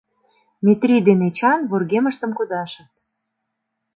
Метрий ден Эчан вургемыштым кудашыт.